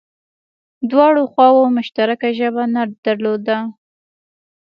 دواړو خواوو مشترکه ژبه نه درلوده